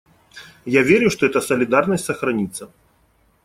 Я верю, что эта солидарность сохранится.